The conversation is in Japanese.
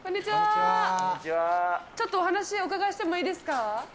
ちょっとお話お伺いしてもいいですか。